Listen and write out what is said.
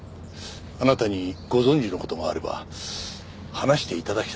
あなたにご存じの事があれば話して頂きたいと思いまして。